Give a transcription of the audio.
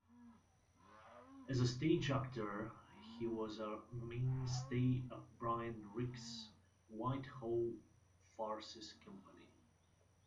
As a stage actor he was a mainstay of Brian Rix's Whitehall farces company.